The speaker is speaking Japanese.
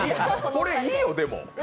これいいよ、でも。